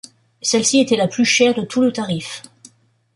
Celle-ci était la plus chère de tout le tarif.